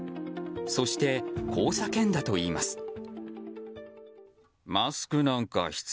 そして、こう叫んだといいます。